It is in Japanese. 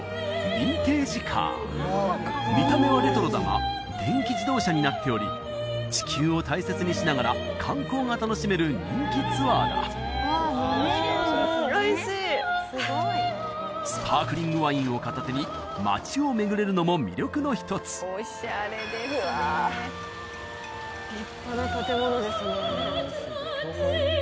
ヴィンテージカー見た目はレトロだが電気自動車になっており地球を大切にしながら観光が楽しめる人気ツアーだおいしいスパークリングワインを片手に街を巡れるのも魅力の一つうわ立派な建物ですね